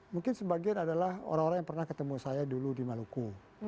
mungkin sebagian adalah orang orang yang pernah ketemu saya dulu di maluku